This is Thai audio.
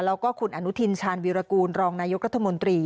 แล้วก็คุณอนุทินชาญวีรกูลรองนายกรัฐมนตรี